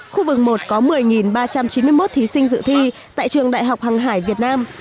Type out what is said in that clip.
khu vực một có một mươi ba trăm chín mươi một thí sinh dự thi tại trường đại học hàng hải việt nam